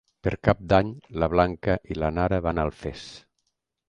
Per Cap d'Any na Blanca i na Nara van a Alfés.